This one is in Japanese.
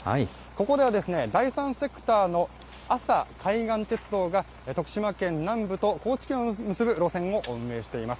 ここではですね、第三セクターの阿佐海岸鉄道が、徳島県南部と高知県を結ぶ路線を運営しています。